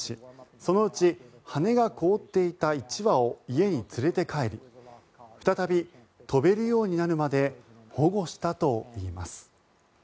そのうち羽が凍っていた１羽を家に連れて帰り再び飛べるようになるまで保護したといいます。